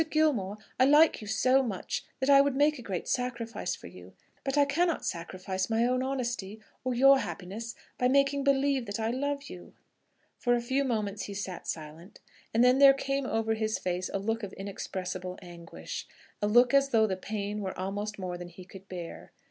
Gilmore, I like you so much that I would make a great sacrifice for you; but I cannot sacrifice my own honesty or your happiness by making believe that I love you." For a few moments he sat silent, and then there came over his face a look of inexpressible anguish, a look as though the pain were almost more than he could bear.